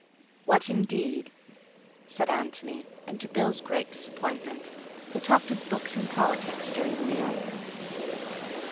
"What, indeed?" said Antony, and to Bill's great disappointment they talked of books and politics during the meal.